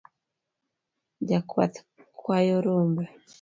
Jakwath kwayo rombe.